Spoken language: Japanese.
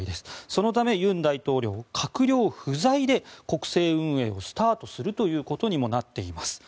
そのため、尹大統領閣僚不在で国政運営をスタートするということにもなっています。